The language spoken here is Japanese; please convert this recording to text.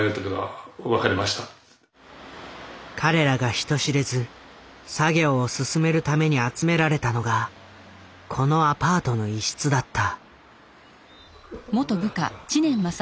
彼らが人知れず作業を進めるために集められたのがこのアパートの一室だった。